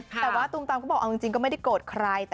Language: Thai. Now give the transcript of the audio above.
แต่ว่าตูมตามก็บอกเอาจริงก็ไม่ได้โกรธใคร